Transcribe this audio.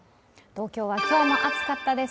東京は今日も暑かったです